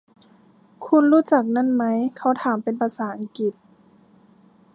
คุณรู้จักนั่นมั้ย ? เขาถามเป็นภาษาอังกฤษ